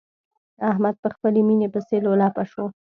احمد په خپلې ميينې پسې لولپه شو.